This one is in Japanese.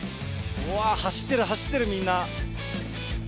わー、走ってる、走ってる、みんな。